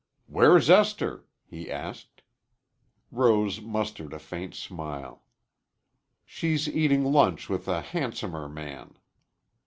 "Where's Esther?" he asked. Rose mustered a faint smile. "She's eating lunch with a handsomer man."